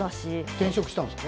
転職したんですか？